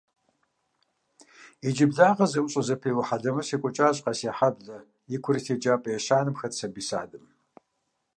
Иджыблагъэ зэIущIэ-зэпеуэ хьэлэмэт щекIуэкIащ Къэсейхьэблэ и курыт еджапIэ ещанэм хэт сабий садым.